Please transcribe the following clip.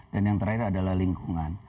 yang terakhir adalah lingkungan